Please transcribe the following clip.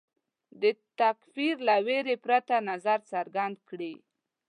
د تکفیر له وېرې پرته نظر څرګند کړي